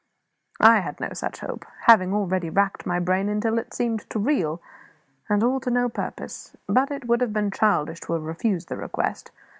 I had no such hope, having already racked my brain until it seemed to reel, and all to no purpose; but it would have been childish to have refused the request.